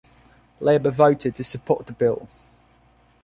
Labor voted to support the Bill.